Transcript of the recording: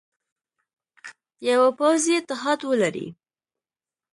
یوه پوځي اتحاد ولري.